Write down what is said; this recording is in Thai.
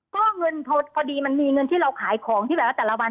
ก็เงินพอดีมันมีเงินที่เราขายของที่แบบว่าแต่ละวัน